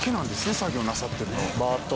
作業なさってるの。